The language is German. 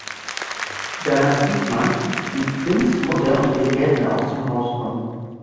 Danach sieht man, wie Quinns Mutter und ihr Gärtner aus dem Haus kommen.